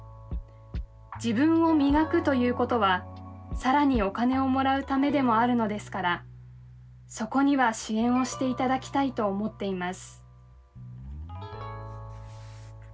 自分を磨くということはさらにお金をもらうためでもあるのですからそこには支援をしていただきたいと思っています」。